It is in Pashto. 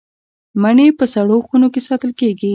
مڼې په سړو خونو کې ساتل کیږي.